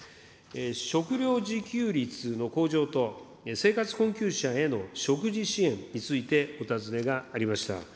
食料自給率の向上と、生活困窮者への食事支援についてお尋ねがありました。